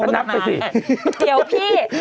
นับปะวีวพี่เมื่อกี้นี้